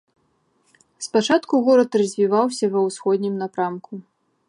Спачатку горад развіваўся ва ўсходнім напрамку.